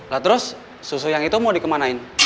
nah terus susu yang itu mau dikemanain